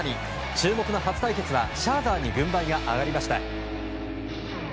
注目の初対決は、シャーザーに軍配が上がりました。